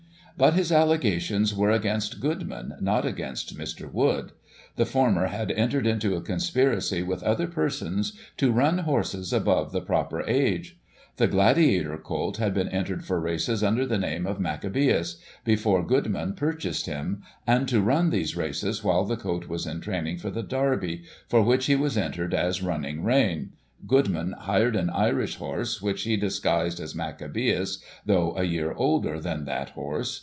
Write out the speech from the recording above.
But his allegations were against Goodman, not against Mr. Wood; the former had entered into a conspiracy with other persons to run horses above the proper age. The Gladiator colt had been entered for races, under the name of Maccabeus, before Goodman purchased him ; and to run these races while the colt was in training for the Derby, for which he was entered as Running Rein, Goodman hired an Irish horse, which he disguised as Maccabeus, though a year older than that horse.